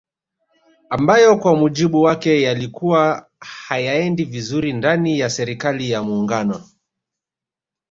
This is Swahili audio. Ambayo kwa mujibu wake yalikuwa hayaendi vizuri ndani ya serikali ya Muungano